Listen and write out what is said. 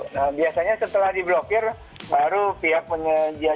nah biasanya setelah diblokir baru pihak penyelenggara